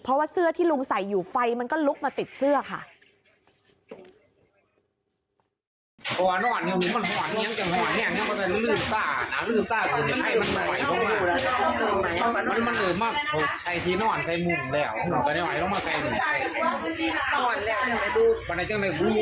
เพราะว่าเสื้อที่ลุงใส่อยู่ไฟมันก็ลุกมาติดเสื้อค่ะ